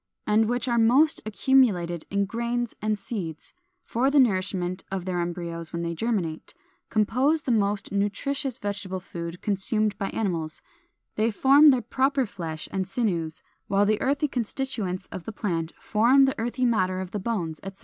and which are most accumulated in grains and seeds (for the nourishment of their embryos when they germinate), compose the most nutritious vegetable food consumed by animals; they form their proper flesh and sinews, while the earthy constituents of the plant form the earthy matter of the bones, etc.